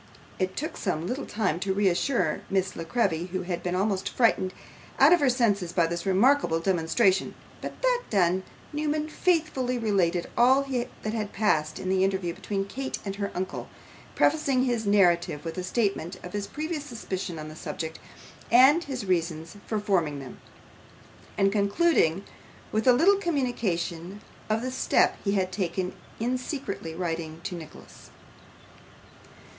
It took some little time to reassure Miss La Creevy, who had been almost frightened out of her senses by this remarkable demonstration; but that done, Newman faithfully related all that had passed in the interview between Kate and her uncle, prefacing his narrative with a statement of his previous suspicions on the subject, and his reasons for forming them; and concluding with a communication of the step he had taken in secretly writing to Nicholas.